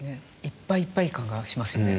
いっぱいいっぱい感がしますよね。